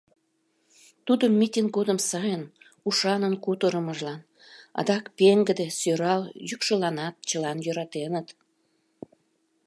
Тудым митинг годым сайын, ушанын кутырымыжлан, адак пеҥгыде, сӧрал йӱкшыланат чылан йӧратеныт.